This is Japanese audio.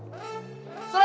それ！